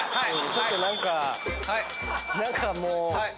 ちょっと何か何かもう。